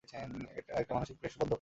এটা একটা মানসিক প্রেষবর্ধক।